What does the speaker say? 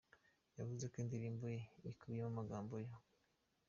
Yavuze ko indirimbo ye yakubiyemo amagambo yo